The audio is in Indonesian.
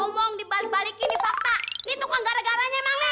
ngomong dibalik balikin nih fakta nih tukang gara garanya emang nih